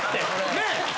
ねえ？